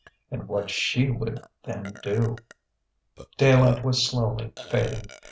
and what she would then do.... Daylight was slowly fading.